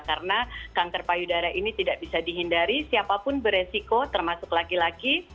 karena kanker payudara ini tidak bisa dihindari siapapun beresiko termasuk laki laki